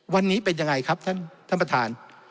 วันนี้เป็นยังไงครับท่านประธาน